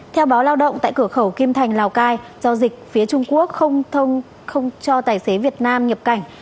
theo báo lao động tại cửa khẩu kim thành lào cai do dịch phía trung quốc không cho tài xế việt nam nhập cảnh